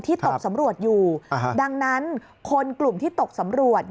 ตกสำรวจอยู่ดังนั้นคนกลุ่มที่ตกสำรวจ